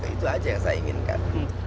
itu aja yang saya inginkan